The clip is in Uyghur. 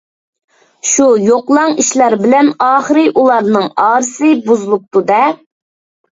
شۇ يوقىلاڭ ئىشلار بىلەن ئاخىرى ئۇلارنىڭ ئارىسى بۇزۇلۇپتۇ-دە.